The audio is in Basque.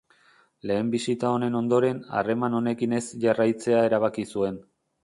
Lehen bisita honen ondoren, harreman honekin ez jarraitzea erabaki zuen.